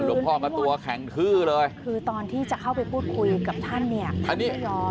หลวงพ่อก็ตัวแข็งทื้อเลยคือตอนที่จะเข้าไปพูดคุยกับท่านเนี่ยท่านไม่ยอม